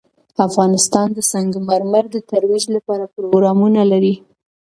افغانستان د سنگ مرمر د ترویج لپاره پروګرامونه لري.